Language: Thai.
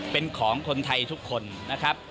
เป็นของคนไทยทุกคนนะครับ